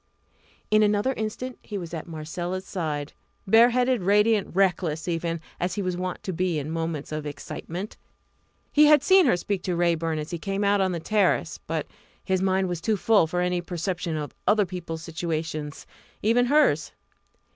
In another instant he was at Marcella's side, bare headed, radiant, reckless even, as he was wont to be in moments of excitement. He had seen her speak to Raeburn as he came out on the terrace, but his mind was too full for any perception of other people's situations even hers.